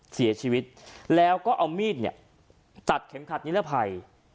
เสียชีวิตแล้วก็เอามีดเนี่ยตัดเข็มขัดนิรภัย